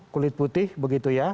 kulit putih begitu ya